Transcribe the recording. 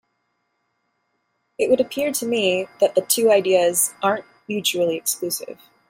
It would appear to me that the two ideas aren't mutually exclusive.